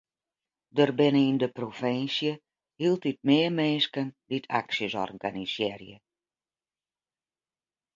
Der binne yn de provinsje hieltyd mear minsken dy't aksjes organisearje.